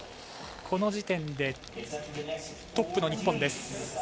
この時点でトップの日本です。